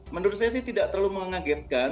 menurut saya sih tidak terlalu mengagetkan